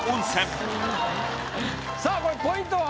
さぁこれポイントは？